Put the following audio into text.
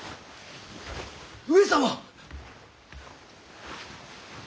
上様！